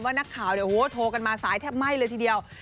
ว่านักข่าวโทรกันมาสายแทบไหม้เลยทีเดียว